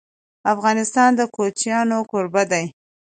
افغانستان د کوچیانو کوربه دی..